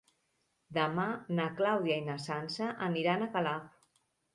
Demà na Clàudia i na Sança aniran a Calaf.